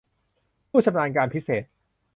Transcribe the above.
ผู้ชำนาญการพิเศษ